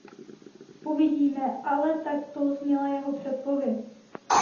Uvidíme, ale takto zněla jeho předpověď.